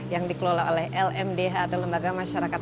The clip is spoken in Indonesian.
yang dikelola oleh lmdh atau lembaga masyarakat